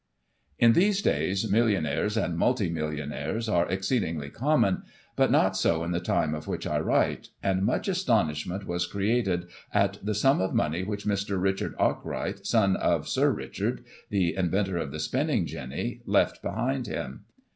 In these days, millionaires, and multi millionaires are ex ceedingly common, but not so in the time of which I write, and much astonishment was created at the sum of money which Mr. Richard Arkwright, son of Sir Richard, the in ventor of the spinning jinny, left behind him.